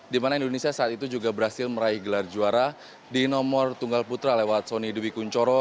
di mana indonesia saat itu juga berhasil meraih gelar juara di nomor tunggal putra lewat sony dwi kunchoro